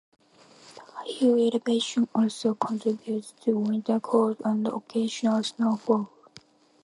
The higher elevation also contributes to winter cold and occasional snowfall.